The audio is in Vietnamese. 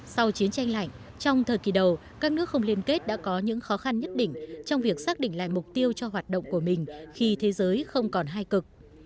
sau chiến tranh lạnh trong thời kỳ đầu các nước không liên kết đã có những khó khăn nhất định trong việc xác định lại mục tiêu cho hoạt động của mình khi thế giới không còn hai cực